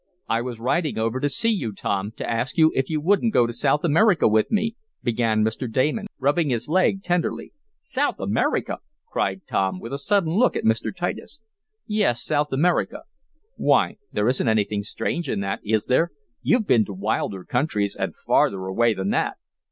"I was riding over to see you, Tom, to ask you if you wouldn't go to South America with me," began Mr. Damon, rubbing his leg tenderly. "South America?" cried Tom, with a sudden look at Mr. Titus. "Yes, South America. Why, there isn't anything strange in that, is there? You've been to wilder countries, and farther away than that."